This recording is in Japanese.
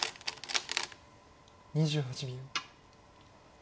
２８秒。